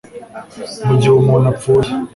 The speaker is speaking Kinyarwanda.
mu gihe umuntu apfuye